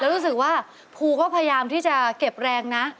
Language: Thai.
รู้สึกว่าภูก็พยายามที่จะเก็บแรงนะ